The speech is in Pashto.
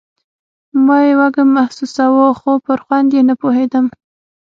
ما يې وږم محسوساوه خو پر خوند يې نه پوهېدم.